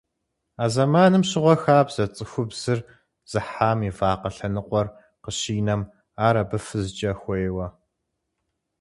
А зэманым щыгъуэ хабзэт цӀыхубзыр зыхьам и вакъэ лъэныкъуэр къыщинэм ар абы фызкӀэ хуейуэ.